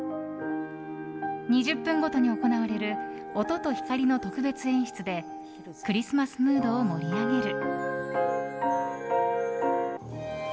２０分ごとに行われる音と光の特別演出でクリスマスムードを盛り上げる。